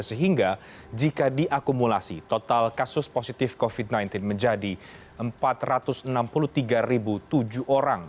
sehingga jika diakumulasi total kasus positif covid sembilan belas menjadi empat ratus enam puluh tiga tujuh orang